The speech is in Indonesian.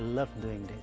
saya suka melakukan ini